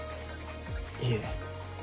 いえ。